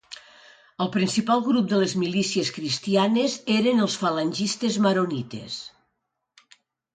El principal grup de les milícies cristianes eren els falangistes maronites.